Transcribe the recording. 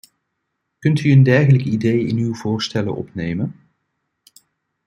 Kunt u een dergelijk idee in uw voorstellen opnemen?